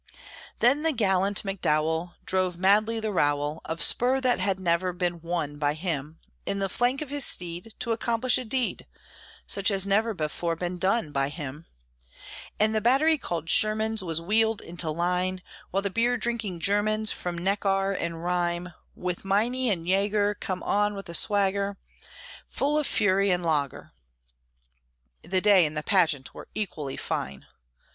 Then the gallant McDowell Drove madly the rowel Of spur that had never been "won" by him, In the flank of his steed, To accomplish a deed, Such as never before had been done by him; And the battery called Sherman's Was wheeled into line While the beer drinking Germans From Neckar and Rhine, With minie and yager, Come on with a swagger, Full of fury and lager (The day and the pageant were equally fine).